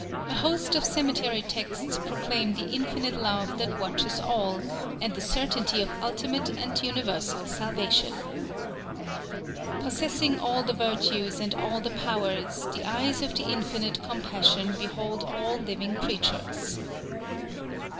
A host of cemetery texts proclaim the Infinite Love that watches all, and the certainty of ultimate and universal salvation: "_Possessing all the Virtues and all the Powers, the Eyes of the Infinite Compassion behold all living creatures.